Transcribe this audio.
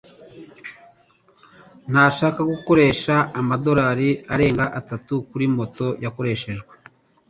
ntashaka gukoresha amadolari arenga atatu kuri moto yakoreshejwe.